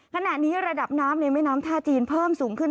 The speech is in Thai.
ขณะนี้ระดับน้ำในแม่น้ำท่าจีนเพิ่มสูงขึ้น